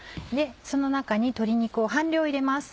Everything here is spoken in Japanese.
その中に鶏肉を半量入れます。